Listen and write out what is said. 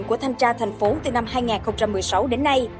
của thanh tra thành phố từ năm hai nghìn một mươi sáu đến nay